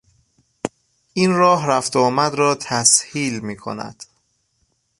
این راه رفت و آمد را تسهیل می کند.